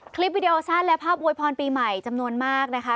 วิดีโอสั้นและภาพอวยพรปีใหม่จำนวนมากนะคะ